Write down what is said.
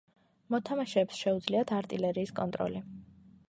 მოთამაშეებს შეუძლიათ არტილერიის კონტროლი.